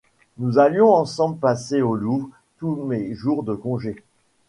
Nous allions ensemble passer au Louvre tous mes jours de congé.